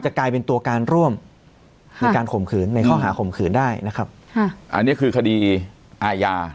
กลายเป็นตัวการร่วมในการข่มขืนในข้อหาข่มขืนได้นะครับค่ะอันนี้คือคดีอาญา